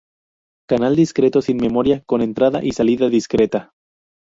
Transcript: Canal discreto sin memoria: con entrada y salida discreta.